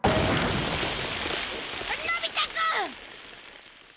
のび太くん！